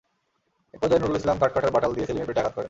একপর্যায়ে নূরুল ইসলাম কাঠ কাটার বাঁটাল দিয়ে সেলিমের পেটে আঘাত করেন।